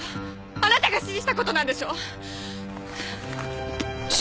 あなたが指示したことなんでしょ！